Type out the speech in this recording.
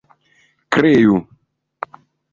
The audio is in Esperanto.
kreu